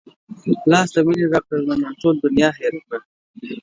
لاس د مينې راکړه رانه ټوله دنيا هېره کړه